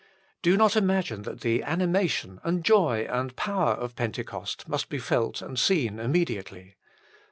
Do not imagine that the animation, and joy, and power of Pentecost must be felt and seen immediately.